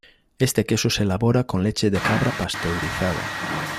Este queso se elabora con leche de cabra pasteurizada.